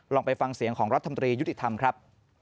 ลองไปฟังเสียงของรัฐธรรมดรียุติธรรมครับ